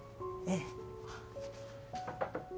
ええ。